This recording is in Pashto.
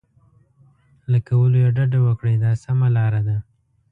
له کولو یې ډډه وکړئ دا سمه لار ده.